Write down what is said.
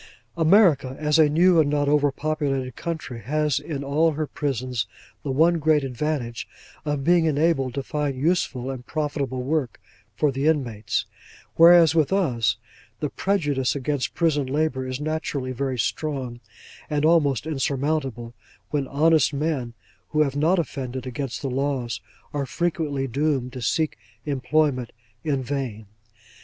America, as a new and not over populated country, has in all her prisons, the one great advantage, of being enabled to find useful and profitable work for the inmates; whereas, with us, the prejudice against prison labour is naturally very strong, and almost insurmountable, when honest men who have not offended against the laws are frequently doomed to seek employment in vain.